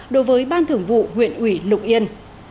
đối với ban thưởng vụ huyện ủy lục yên